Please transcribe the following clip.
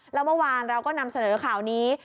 แล้วเมื่อวานเราก็นำเสนอข่าวนี้